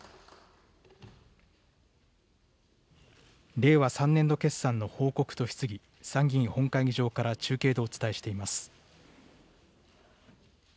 令和３年度決算の報告と質疑、参議院本会議場から中継でお伝えしています。